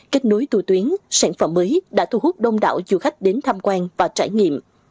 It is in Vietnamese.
kết nối tù tuyến sản phẩm mới đã thu hút đông đảo du khách đến tham quan và trải nghiệm